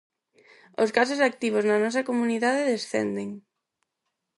Os casos activos na nosa comunidade descenden.